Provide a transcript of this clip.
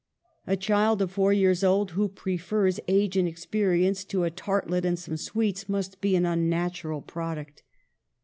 A child of four years old who prefers age and experience to a tartlet and some sweets must be an un natural product.